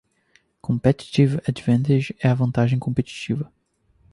Competitive Advantage é a vantagem competitiva.